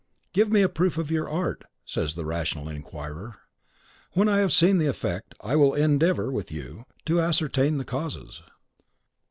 "Give me a proof of your art," says the rational inquirer. "When I have seen the effect, I will endeavour, with you, to ascertain the causes."